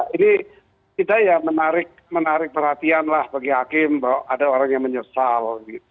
ini kita ya menarik perhatian lah bagi hakim bahwa ada orang yang menyesal